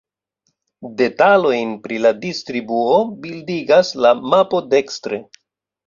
Detalojn pri la distribuo bildigas la mapo dekstre.